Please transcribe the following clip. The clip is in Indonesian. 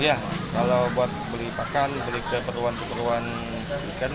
iya kalau buat beli pakan beli keperluan keperluan ikan